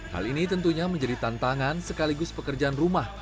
hal ini tentunya menjadi tantangan sekaligus pekerjaan rumah